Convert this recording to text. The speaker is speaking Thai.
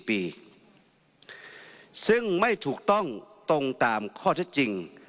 ซึ่งไม่ถูกต้องตรงตามข้อเท็จจริง